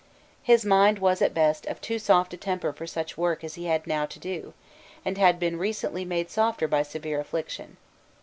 His mind was at best of too soft a temper for such work as he had now to do, and had been recently made softer by severe affliction.